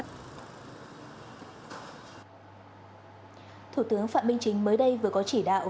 thủ tướng phạm minh chính mới đây vừa có chỉ đạo